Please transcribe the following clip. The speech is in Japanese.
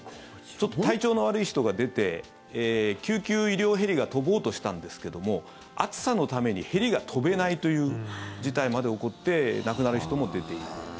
ちょっと体調の悪い人が出て救急医療ヘリが飛ぼうとしたんですけども暑さのためにヘリが飛べないという事態まで起こって亡くなる人も出ている。